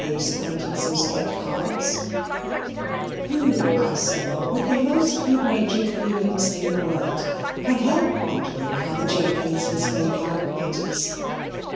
's acquaintances get cards) who, I say, with the most good natured feelings in the world, can help wondering how the Jenkinses make out matters?